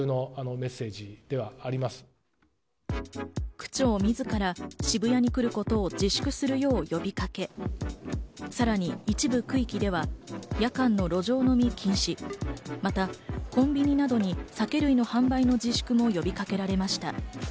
区長自ら、渋谷に来ることを自粛するよう呼びかけ、さらに一部区域では夜間の路上飲み禁止、またコンビニなどの酒類販売の自粛も呼びかけられました。